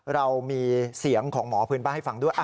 เรามีเสียงของหมอพื้นบ้านให้ฟังด้วย